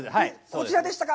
こちらでしたか。